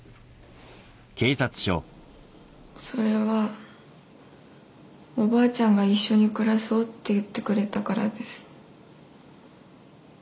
それはおばあちゃんが「一緒に暮らそう」って言ってくれたからです。